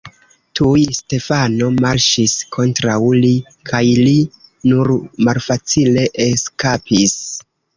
Tuj Stefano marŝis kontraŭ li kaj li nur malfacile eskapis.